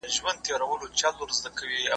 چارواکو اعلان وکړ چي نوي قوانین به پلي سي.